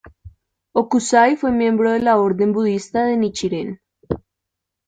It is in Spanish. Hokusai fue miembro de la orden budista de Nichiren.